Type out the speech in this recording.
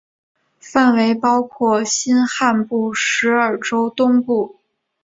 范围包括新罕布什尔州东部。